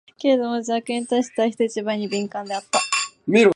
けれども邪悪に対しては、人一倍に敏感であった。